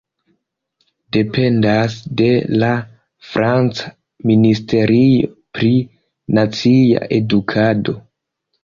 Dependas de la franca Ministerio pri Nacia Edukado.